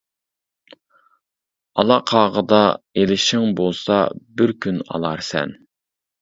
ئالا قاغىدا ئېلىشىڭ بولسا بىر كۈن ئالارسەن.